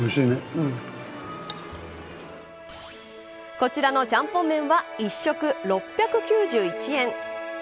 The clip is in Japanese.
こちらの、ちゃんぽん麺は１食６９１円。